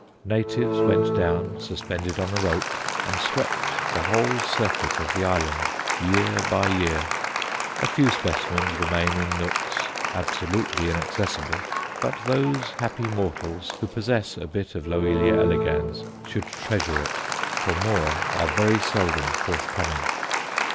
Natives went down, suspended on a rope, and swept the whole circuit of the island, year by year. A few specimens remain in nooks absolutely inaccessible, but those happy mortals who possess a bit of L. elegans should treasure it, for more are very seldom forthcoming.